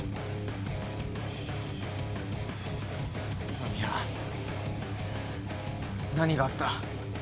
真宮何があった。